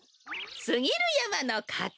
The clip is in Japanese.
すぎるやまのかち！